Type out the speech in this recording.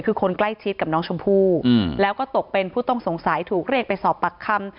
คือคนใกล้ชิดกับน้องชมพู่แล้วก็ตกเป็นผู้ต้องสงสัยถูกเรียกไปสอบปากคำ